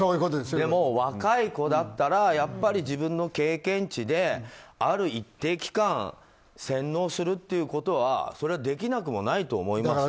でも若い子だったらやっぱり自分の経験値である一定期間洗脳するっていうことはできなくもないと思いますよ。